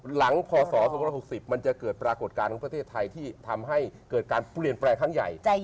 พศ๒๖๐มันจะเกิดปรากฏการณ์ของประเทศไทยที่ทำให้เกิดการเปลี่ยนแปลงครั้งใหญ่